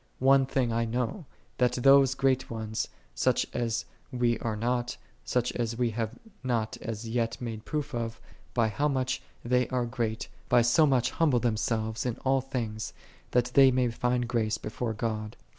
3 One thing I know, that those great ones, such as we are not, such as we have not as yet made proof of, by how much they are great, by so much humble themselves in all things, that they may find grace before God.